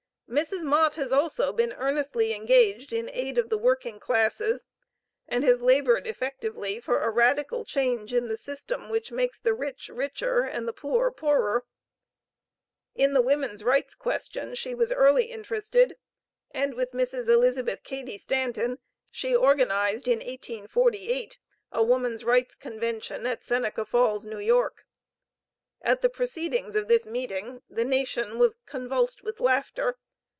Mrs. Mott has also been earnestly engaged in aid of the working classes, and has labored effectively for "a radical change in the system which makes the rich richer, and the poor poorer." In the Woman's Rights question she was early interested, and with Mrs. Elizabeth Cady Stanton, she organized, in 1848, a Woman's Rights' Convention at Seneca Falls, New York. At the proceedings of this meeting, "the nation was convulsed with laughter."